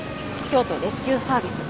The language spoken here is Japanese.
京都レスキューサービス